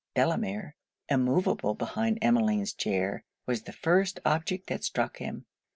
Delamere, immovable behind Emmeline's chair, was the first object that struck him.